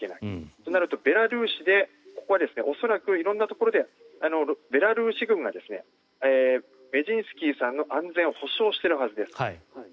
となるとベラルーシでここは恐らく、色んなところでベラルーシ軍がメディンスキーさんの安全を保証しているはずです。